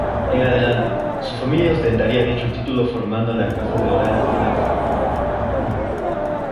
En adelante, su familia ostentaría dicho título formando la Casa de Orange-Nassau.